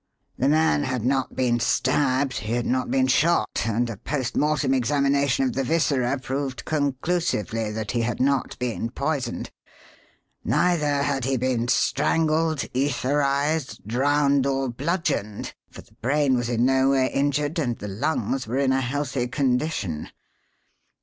The man had not been stabbed, he had not been shot, and a post mortem examination of the viscera proved conclusively that he had not been poisoned. Neither had he been strangled, etherized, drowned, or bludgeoned, for the brain was in no way injured and the lungs were in a healthy condition.